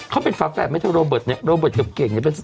เขาเป็นฝากแปดไหมถ้าโรเบิร์ตเนี้ยโรเบิร์ตเก่งเก่งเก่ง